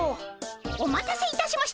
お待たせいたしました。